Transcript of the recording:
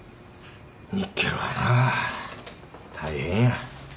ニッケルはなぁ大変や。